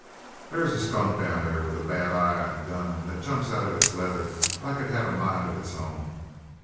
"There's a skunk down there with a bad eye an' a gun that jumps out of its leather like it had a mind of its own.